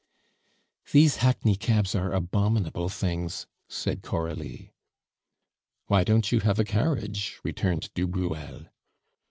"These hackney cabs are abominable things," said Coralie. "Why don't you have a carriage?" returned du Bruel.